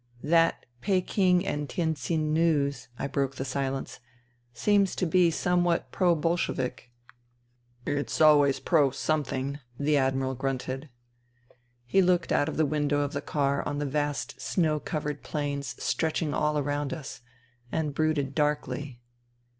" That Peking and Tientsin News,*' I broke the silence, " seems to be somewhat pro Bolshevik." 174 FUTILITY " It's always pro Something," the Admiral grunted. He looked out of the window of the car on the vast snow covered plains stretching all around us and brooded darkly.